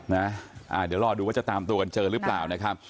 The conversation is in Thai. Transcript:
เดี๋ยวรอดูว่าจะตามตัวกันเจอหรือเปล่านะครับ